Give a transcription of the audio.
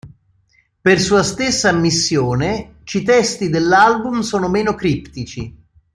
Per sua stessa ammissione, ci testi dell'album sono meno criptici.